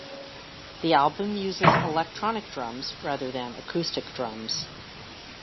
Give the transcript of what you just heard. The album uses electronic drums rather than acoustic drums.